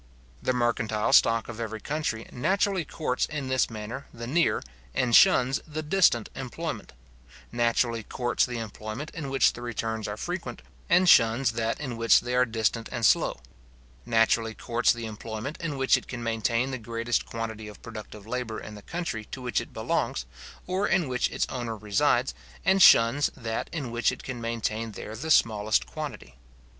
The mercantile stock of every country naturally courts in this manner the near, and shuns the distant employment: naturally courts the employment in which the returns are frequent, and shuns that in which they are distant and slow; naturally courts the employment in which it can maintain the greatest quantity of productive labour in the country to which it belongs, or in which its owner resides, and shuns that in which it can maintain there the smallest quantity.